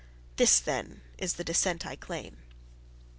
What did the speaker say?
This, then, is the descent I claim."